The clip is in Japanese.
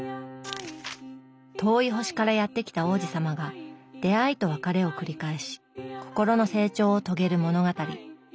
遠い星からやって来た王子さまが出会いと別れを繰り返し心の成長をとげる物語。